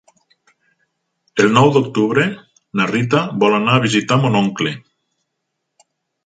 El nou d'octubre na Rita vol anar a visitar mon oncle.